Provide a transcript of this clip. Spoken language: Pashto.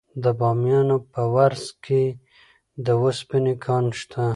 د بامیان په ورس کې د وسپنې کان شته.